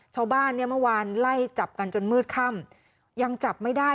ชาวบ้านเนี่ยเมื่อวานไล่จับกันจนมืดค่ำยังจับไม่ได้